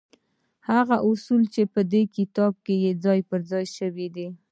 هغه اصول چې په دې کتاب کې ځای پر ځای شوي دي.